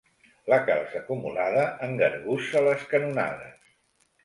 La calç acumulada engargussa les canonades.